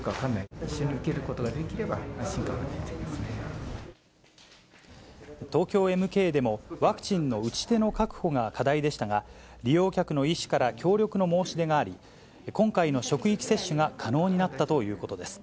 一緒に受けることができれば、東京エムケイでもワクチンの打ち手の確保が課題でしたが、利用客の医師から協力の申し出があり、今回の職域接種が可能になったということです。